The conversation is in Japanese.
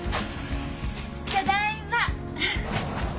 ただいま！